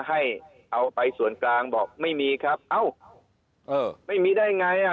ให้เอาไปส่วนกลางบอกไม่มีครับเอ้าเออไม่มีได้ไงอ่ะ